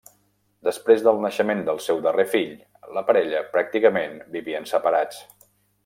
Després del naixement del seu darrer fill, la parella pràcticament vivien separats.